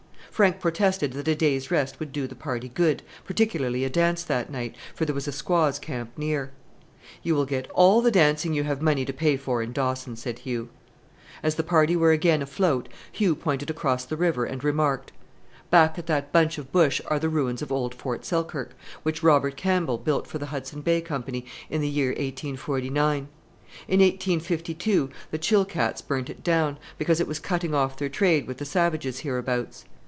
Frank protested that a day's rest would do the party good, particularly a dance that night, for there was a squaws' camp near. "You will get all the dancing you have money to pay for in Dawson," said Hugh. As the party were again afloat, Hugh pointed across the river, and remarked, "Back at that bunch of bush are the ruins of old Fort Selkirk, which Robert Campbell built for the Hudson Bay Company in the year 1849. In 1852 the Chilkats burned it down, because it was cutting off their trade with the savages hereabouts.